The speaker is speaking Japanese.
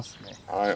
はい。